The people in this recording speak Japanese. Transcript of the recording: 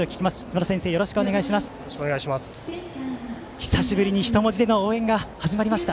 久しぶりに人文字での応援が始まりました。